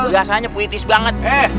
biasanya puitis banget